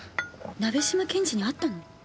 鍋島検事に会ったの？